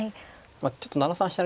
ちょっと７三飛車